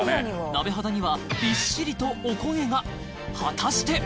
鍋肌にはびっしりとおこげが果たして？